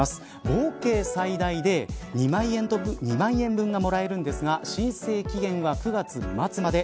合計最大で２万円分がもらえるんですが申請期限は９月末まで。